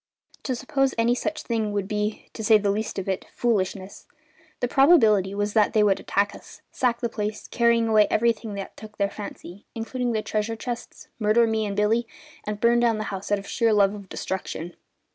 To suppose any such thing would be to say the least of it foolishness. The probability was that they would attack us, sack the place, carrying away everything that took their fancy, including the treasure chests, murder Billy and me, and burn down the house out of sheer love of destruction.